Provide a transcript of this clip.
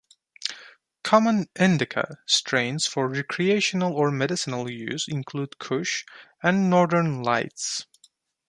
Common "indica" strains for recreational or medicinal use include Kush and Northern Lights.